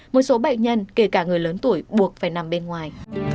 một số bệnh nhân kể cả người lớn tuổi buộc phải nằm bên ngoài